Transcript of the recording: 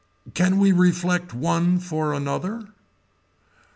Can we reflect one for another.